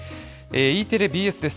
Ｅテレ、ＢＳです。